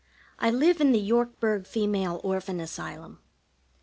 I live in the Yorkburg Female Orphan Asylum.